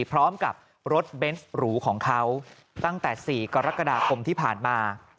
พร้อมกับรถเบนส์หรูของเขาตั้งแต่๔กรกฎาคมที่ผ่านมา